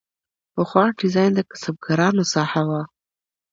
پخوا ډیزاین د کسبکارانو ساحه وه.